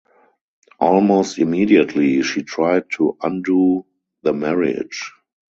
Almost immediately she tried to undo the marriage.